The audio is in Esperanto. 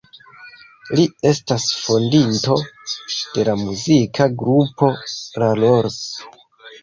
Li estas fondinto de la muzika grupo La Rolls.